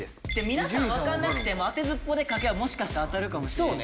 皆さんわかんなくても当てずっぽうで書けばもしかしたら当たるかもしれない。